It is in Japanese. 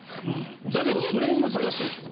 だけど、それも難しいでしょ。